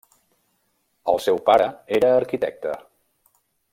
El seu pare era arquitecte.